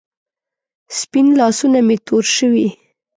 سپین لاسونه مې تور شوې